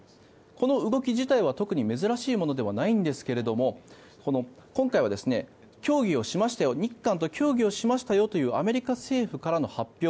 この動き自体は特に珍しいものではないですが今回は日韓と協議をしましたよというアメリカ政府からの発表